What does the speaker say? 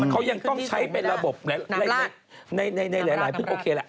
เขายังต้องใช้เป็นระบบในหลายพึ่งโอเคแหละ